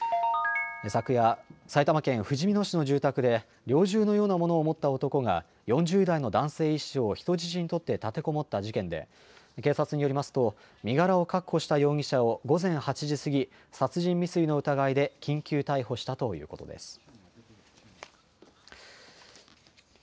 昨夜、埼玉県ふじみ野市の住宅で猟銃のようなものを持った男が、４０代の男性医師を人質に取って立てこもった事件で、警察によりますと、身柄を確保した容疑者を午前８時過ぎ、殺人未遂の疑いで緊急逮捕したということです。